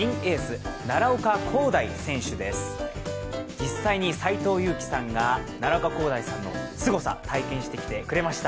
実際に斎藤佑樹さんが奈良岡功大選手のすごさ、体感してくれました。